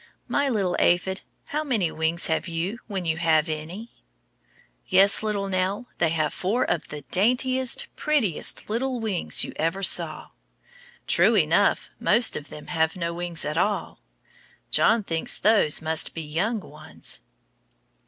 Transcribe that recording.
My little aphid, how many wings have you when you have any? Yes, little Nell, they have four of the daintiest, prettiest little wings you ever saw. True enough, most of them have no wings at all. John thinks those must be young ones.